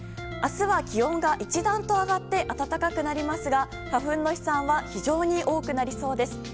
明日は気温が一段と上がって暖かくなりますが花粉の飛散は非常に多くなりそうです。